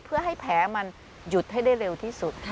เพื่อให้แผลมันหยุดให้ได้เร็วที่สุด